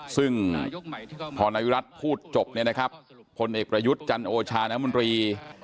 ซึ่งพอนายวิรัติพูดจบผลเอกประยุทธ์จันโอชาณมนตรี